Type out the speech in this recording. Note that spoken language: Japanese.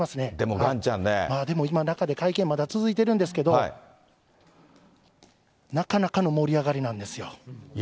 今まだ今、中で会見続いてるんですけど、なかなかの盛り上がりなんですよ。